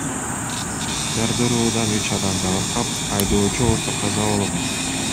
Жардыруудан үч адам жабыркап, айдоочу болсо каза болгон.